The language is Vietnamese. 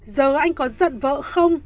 giờ anh có giận vợ không